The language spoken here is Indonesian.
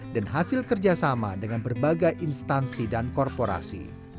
dan hasil kerjasama dengan berbagai instansi dan korporasi